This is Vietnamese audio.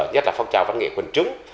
nhất là phong trào văn nghệ quần chúng